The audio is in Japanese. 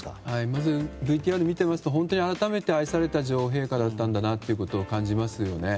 まずＶＴＲを見ていますと改めて愛された女王陛下だったんだなと感じますよね。